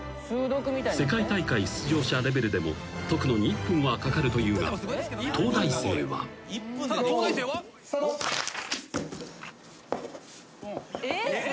［世界大会出場者レベルでも解くのに１分はかかるというが東大生は］えっ？すごっ。